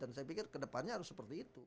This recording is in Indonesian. dan saya pikir kedepannya harus seperti itu